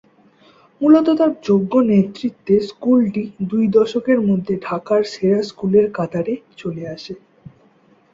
মূলত তার যোগ্য নেতৃত্বে স্কুলটি দুই দশকের মধ্যে ঢাকার সেরা স্কুলের কাতারে চলে আসে।